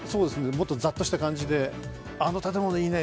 もっとざっとした感じであの建物いいね！